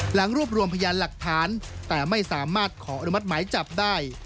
รวบรวมพยานหลักฐานแต่ไม่สามารถขออนุมัติหมายจับได้